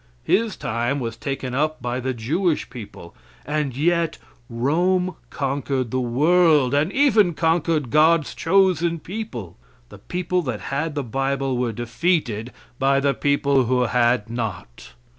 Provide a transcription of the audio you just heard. His time was taken up by the Jewish people. And yet Rome conquered the world, and even conquered God's chosen people. The people that had the bible were defeated by the people who had not.